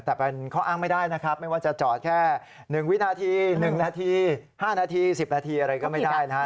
แต่เป็นข้ออ้างไม่ได้นะครับไม่ว่าจะจอดแค่๑วินาที๑นาที๕นาที๑๐นาทีอะไรก็ไม่ได้นะฮะ